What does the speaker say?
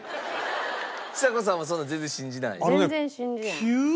ちさ子さんはそんなの全然信じない？だって。